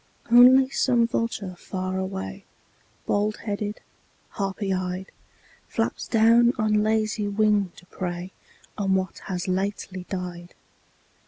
Only some vulture far away, Bald headed, harpy eyed, Flaps down on lazy wing to prey On what has lately died.